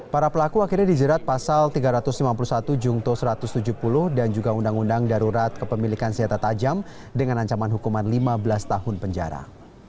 para pelaku akhirnya dijerat pasal tiga ratus lima puluh satu jungto satu ratus tujuh puluh dan juga undang undang darurat kepemilikan senjata tajam dengan ancaman hukuman lima belas tahun penjara